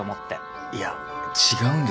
いや違うんです。